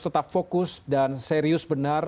tetap fokus dan serius benar